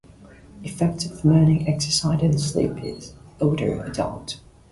"Effects of morning exercise on sleep in older adults".